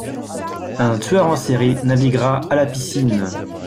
Un tueur en série naviguera à la piscine.